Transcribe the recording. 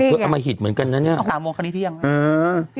เอามาหิดเหมือนกันน่ะเนี่ย